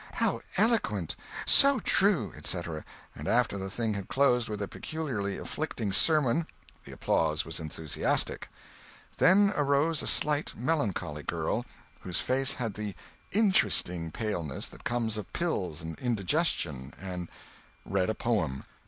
"How eloquent!" "So true!" etc., and after the thing had closed with a peculiarly afflicting sermon the applause was enthusiastic. Then arose a slim, melancholy girl, whose face had the "interesting" paleness that comes of pills and indigestion, and read a "poem."